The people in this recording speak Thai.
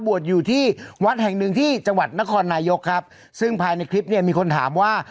บวชอยู่ที่วัดแห่งหนึ่งที่จังหวัดนครนายกครับซึ่งภายในคลิปเนี่ยมีคนถามว่า